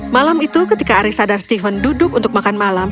malam itu ketika arissa dan steven duduk untuk makan malam